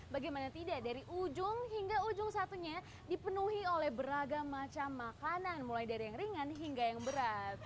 bagaimana tidak dari ujung hingga ujung satunya dipenuhi oleh beragam macam makanan mulai dari yang ringan hingga yang berat